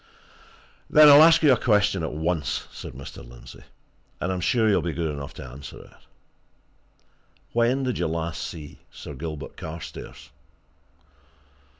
"Then I'll ask you a question at once," said Mr. Lindsey. "And I'm sure you'll be good enough to answer it. When did you last see Sir Gilbert Carstairs?"